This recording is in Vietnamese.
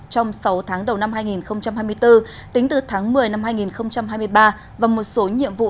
trong sáu tháng đầu năm hai nghìn hai mươi bốn tính từ tháng một mươi năm hai nghìn hai mươi ba và một số nhiệm vụ